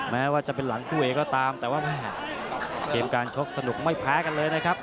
แม้ว่าจะเป็นหลังคู่เอกก็ตามแต่ว่าแม่เกมการชกสนุกไม่แพ้กันเลยนะครับ